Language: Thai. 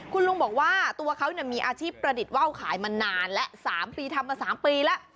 คุณลุงบอกว่าตัวเขามีอาชีพประดิษฐ์ว่าวขายมานานแล้ว๓ปีทำมา๓ปีแล้ว